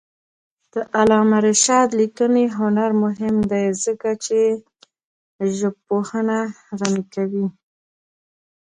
د علامه رشاد لیکنی هنر مهم دی ځکه چې ژبپوهنه غني کوي.